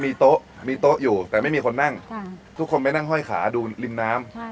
มีโต๊ะมีโต๊ะอยู่แต่ไม่มีคนนั่งทุกคนไปนั่งห้อยขาดูริมน้ำ